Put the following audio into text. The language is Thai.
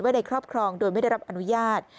ในครอบครองโดยไม่ได้รับอนุญาต